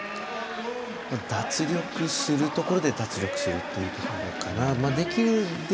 脱力するところで脱力するってことかな。